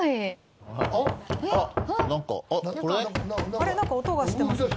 あれなんか音がしてますね。